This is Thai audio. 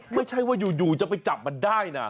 ไม่ใช่ว่าอยู่จะไปจับมันได้นะ